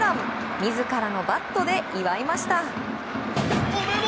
自らのバットで祝いました。